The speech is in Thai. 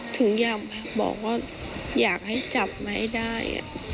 ถึงอยากบอกว่าอยากให้จับมาให้ได้